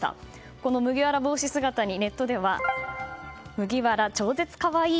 この麦わら帽子姿にネットでは麦わら、超絶可愛い！